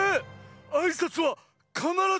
あいさつはかならず。